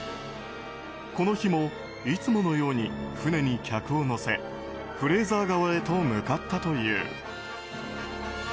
この日も、いつものように船に客を乗せフレーザー川へと向かったという。